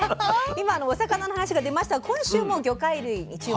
今お魚の話が出ましたが今週も魚介類に注目していきます。